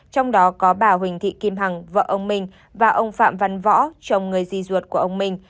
trong đó có bà huỳnh thị kim hằng vợ ông minh và ông phạm văn võ chồng người di ruột của ông minh